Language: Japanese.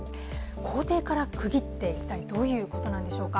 校庭から釘って一体どういうことなんでしょうか。